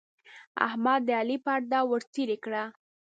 احمد د علي پرده ورڅيرې کړه.